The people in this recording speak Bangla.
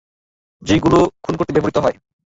যেই গুলা খুন করতে ব্যবহৃত করত।